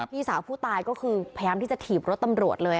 พี่สาวผู้ตายก็คือพยายามที่จะถีบรถตำรวจเลย